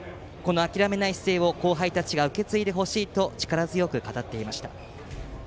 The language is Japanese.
諦めない姿勢を後輩たちが受け継いでほしいと力強く語りました。